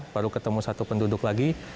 baru ketemu satu penduduk lagi